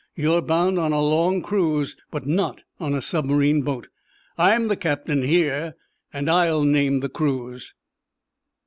You're bound on a long cruise, but not on a submarine boat. I am the captain here, and I'll name the cruise!"